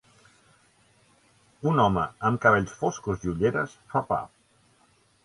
Un home amb cabells foscos i ulleres fa pa.